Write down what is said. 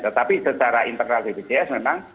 tetapi secara internal bpjs memang